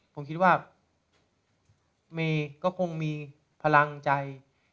ผมคิดว่าเมย์ก็คงมีพลังใจ